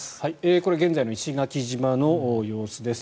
これ現在の石垣島の様子です。